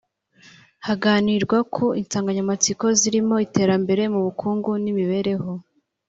haganirwa ku nsanganyamatsiko zirimo; iterambere mu bukungu n’imibereho